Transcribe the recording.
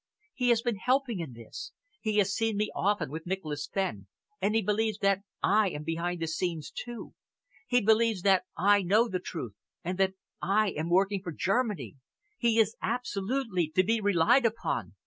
He has been helping in this. He has seen me often with Nicholas Fenn, and he believes that I am behind the scenes, too. He believes that I know the truth, and that I am working for Germany. He is absolutely to be relied upon.